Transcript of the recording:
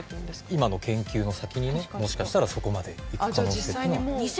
今の研究の先にねもしかしたらそこまでいく可能性っていうのは。